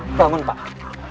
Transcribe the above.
mataku mataku tua